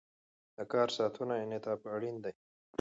د کار ساعتونو انعطاف اړین دی.